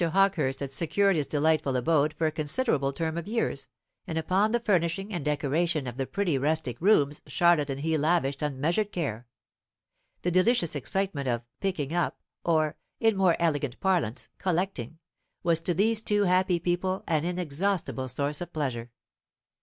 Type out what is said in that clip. Hawkehurst had secured this delightful abode for a considerable term of years, and upon the furnishing and decoration of the pretty rustic rooms Charlotte and he lavished unmeasured care. The delicious excitement of "picking up," or, in more elegant parlance, "collecting," was to these two happy people an inexhaustible source of pleasure.